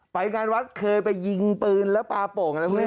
ไปงานวัดเคยไปยิงปืนแล้วปลาโป่งอะไรพวกนี้